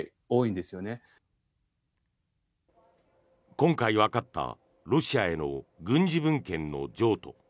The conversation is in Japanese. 今回わかったロシアへの軍事文献の譲渡。